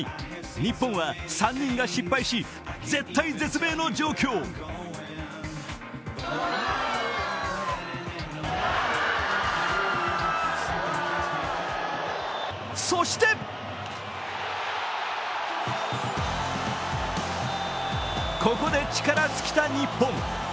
日本は３人が失敗し絶体絶命の状況そしてここで力尽きた日本。